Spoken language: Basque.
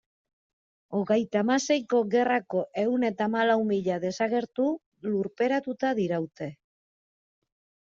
Hogeita hamaseiko gerrako ehun eta hamalau mila desagertu lurperatuta diraute.